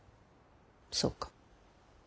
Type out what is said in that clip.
そうか。